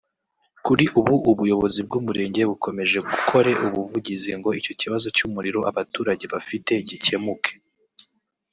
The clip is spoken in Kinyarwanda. Kuri ubu ubuyobozi bw’umurenge bukomeje gukore ubuvugizi ngo icyo kibazo cy’umuriro abaturage bafite gikemuke